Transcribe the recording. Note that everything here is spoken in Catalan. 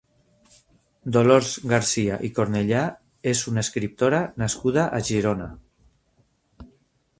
Dolors Garcia i Cornellà és una escriptora nascuda a Girona.